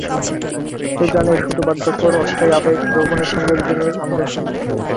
সে জানে এ শুধু বার্ধক্যের অস্থায়ী আবেগ, যৌবনের সঙ্গে দুদিনের অন্ধ সন্ধি।